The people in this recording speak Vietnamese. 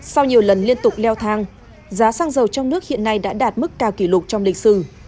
sau nhiều lần liên tục leo thang giá xăng dầu trong nước hiện nay đã đạt mức cao kỷ lục trong lịch sử